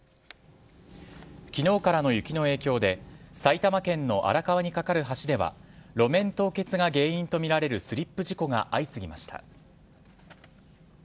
昨日からの雪の影響で埼玉県の荒川に架かる橋では路面凍結が原因とみられるスリップ事故が相次ぎました。